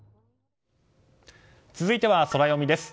続いてはソラよみです。